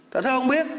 thì sao không biết